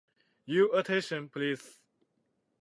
Your attention, please.